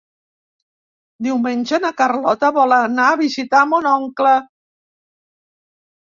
Diumenge na Carlota vol anar a visitar mon oncle.